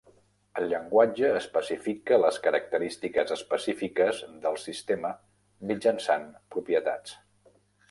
El llenguatge especifica les característiques específiques del sistema mitjançant propietats.